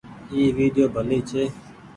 اي ويڊيو ڀلي ڇي۔